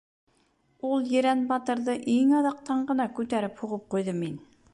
Ул ерән батырҙы иң аҙаҡтан ғына күтәреп һуғып ҡуйҙым мин.